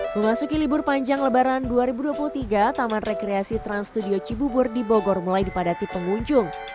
memasuki libur panjang lebaran dua ribu dua puluh tiga taman rekreasi trans studio cibubur di bogor mulai dipadati pengunjung